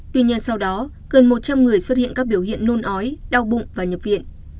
tuy nhiên sau đó gần một trăm linh người xuất hiện các biểu hiện nôn ói đau bụng và nhập viện